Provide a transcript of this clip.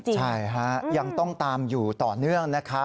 ใช่ฮะยังต้องตามอยู่ต่อเนื่องนะครับ